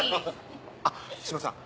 あっ島さん